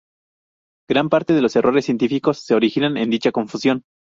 Gran parte de los errores científicos se originan en dicha confusión.